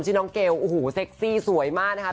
ชื่อน้องเกลโอ้โหเซ็กซี่สวยมากนะคะ